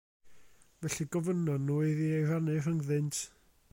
Felly gofynnon nhw iddi ei rannu rhyngddynt.